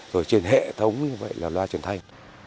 rồi trên hệ thống như vậy là loa trần thanh